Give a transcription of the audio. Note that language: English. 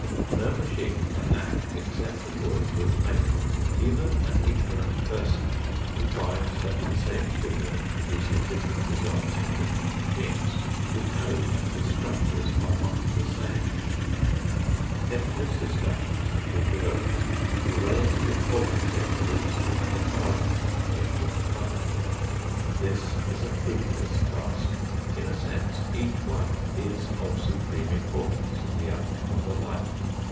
No machine can act except according to its make up. Even an ignorant person, who finds that the same stimulant produces different results on different machines, would know that the structures are not the same. Endless discussions have been devoted to the relative importance of heredity and environment in human conduct. This is a fruitless task. In a sense, each one is of supreme importance in the outcome of a life.